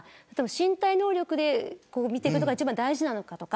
身体能力で見ていくのが大事なのかとか。